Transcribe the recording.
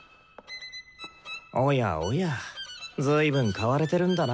おやおやずいぶん買われてるんだな